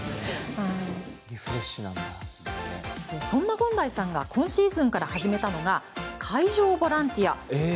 そんな権代さんが今シーズンから始めたのが会場ボランティア。